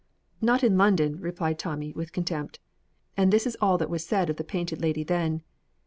"Not in London," replied Tommy, with contempt; and this is all that was said of the Painted Lady then.